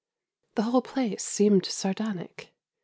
The whole place seemed sardonic.